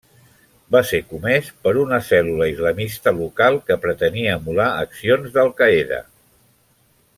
Va ser comès, per una cèl·lula islamista local que pretenia emular accions d'Al-Qaida.